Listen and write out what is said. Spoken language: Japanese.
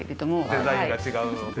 デザインが違う。